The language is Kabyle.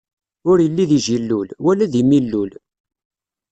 Ur illi di jillul, wala di millul.